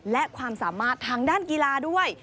และความสามารถทางด้านกีฬาด้วย